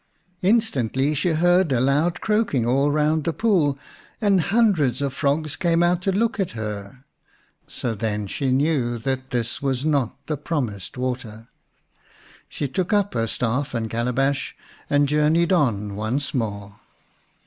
Instantly she heard a loud croaking all round the pool, and hundreds of frogs came out to look at her. So then she knew that this was not the promised water. She took up her staff and calabash and journeyed on once more.